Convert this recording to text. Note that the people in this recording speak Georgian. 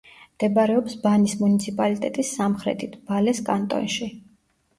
მდებარეობს ბანის მუნიციპალიტეტის სამხრეთით, ვალეს კანტონში.